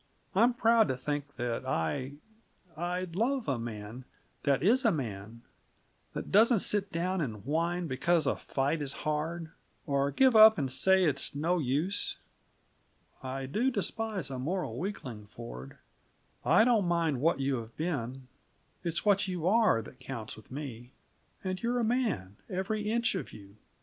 I'm proud to think that I I love a man that is a man; that doesn't sit down and whine because a fight is hard, or give up and say it's no use. I do despise a moral weakling, Ford. I don't mind what you have been; it's what you are, that counts with me. And you're a man, every inch of you.